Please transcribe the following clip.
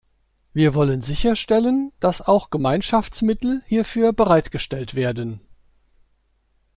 Wir wollen sicherstellen, dass auch Gemeinschaftsmittel hierfür bereitgestellt werden.